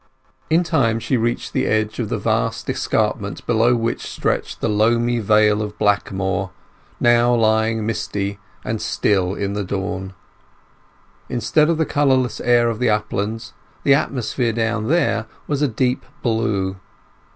In time she reached the edge of the vast escarpment below which stretched the loamy Vale of Blackmoor, now lying misty and still in the dawn. Instead of the colourless air of the uplands, the atmosphere down there was a deep blue.